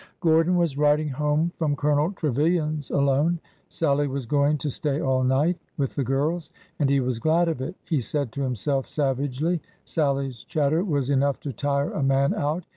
Gordon was riding home from Colonel Trevilian's alone. Sallie was going to stay all night with the girls, and he was glad of it! he said to himself savagely. Sal lie's chatter was enough to tire a man out!